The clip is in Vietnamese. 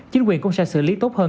chính quyền cũng sẽ xử lý tốt hơn